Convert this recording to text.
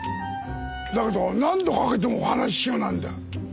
だけど何度かけてもお話し中なんだよ。